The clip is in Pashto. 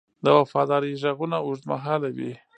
د وفادارۍ ږغونه اوږدمهاله وي.